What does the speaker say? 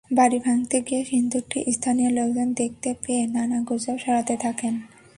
বাড়ি ভাঙতে গিয়ে সিন্দুকটি স্থানীয় লোকজন দেখতে পেয়ে নানা গুজব ছড়াতে থাকেন।